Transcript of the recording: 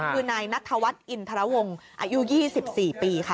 คือนายนักธวรรษอินทรวงอายุ๒๔ปีค่ะ